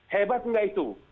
hebat nggak itu